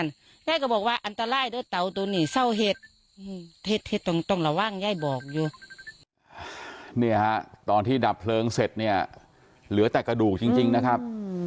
เนี่ยฮะตอนที่ดับเพลิงเสร็จเนี่ยเหลือแต่กระดูกจริงนะครับ